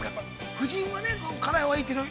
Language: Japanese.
夫人はね、辛いほうがいいけど。